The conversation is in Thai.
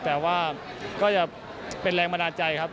แต่ว่าก็จะเป็นแรงบันดาลใจครับ